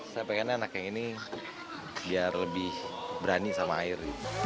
saya pengennya anak yang ini biar lebih berani sama air